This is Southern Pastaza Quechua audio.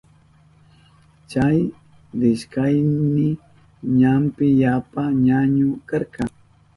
Chay rishkayni ñampi yapa ñañu karka.